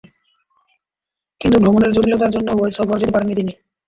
কিন্তু ভ্রমণের জটিলতার জন্য ঐ সফরে যেতে পারেননি তিনি।